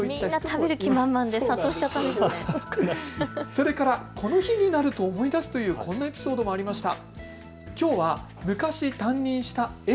それからこの日になると思い出すというこんなエピソードもありました。